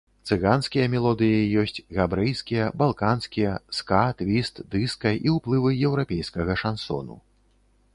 Цыганскія мелодыі ёсць, габрэйскія, балканскія, ска, твіст, дыска і ўплывы еўрапейскага шансону.